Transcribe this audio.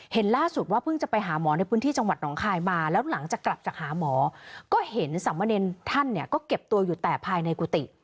เห็นล่าสุดว่าเพิ่งจะไปหาหมอในพื้นที่จังหวัดหนองคายมาแล้วหลังจากกลับจากหาหมอก็เห็นสามเณรท่านเนี่ยก็เก็บตัวอยู่แต่ภายในกุฏิ